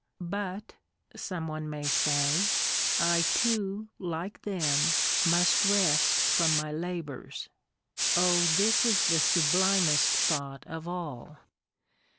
c But' — some one may say —( I too, like them, must rest from my labours.' Oh! this is the sublimest thought of iThi: in. all!